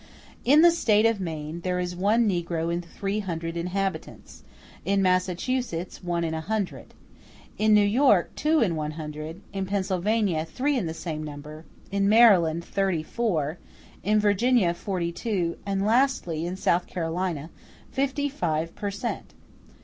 In the State of Maine there is one negro in 300 inhabitants; in Massachusetts, one in 100; in New York, two in 100; in Pennsylvania, three in the same number; in Maryland, thirty four; in Virginia, forty two; and lastly, in South Carolina *q fifty five per cent.